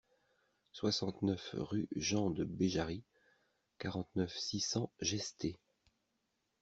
soixante-neuf rue Jean de Béjarry, quarante-neuf, six cents, Gesté